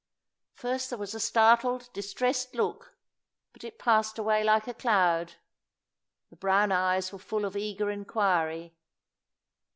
First there was a startled, distressed look, but it passed away like a cloud. The brown eyes were full of eager inquiry.